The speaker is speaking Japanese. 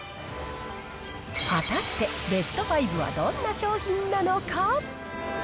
果たして、ベスト５はどんな商品なのか。